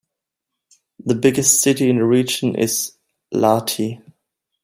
The biggest city in the region is Lahti.